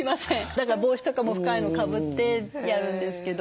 だから帽子とかも深いのかぶってやるんですけど。